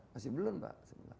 masih belum pak